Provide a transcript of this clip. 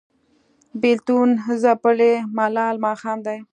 بیلتون ځپلی ملال ماښام دی